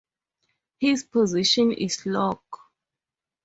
His position is lock.